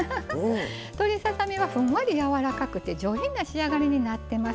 鶏ささ身はふんわりやわらかくて上品な仕上がりになってます。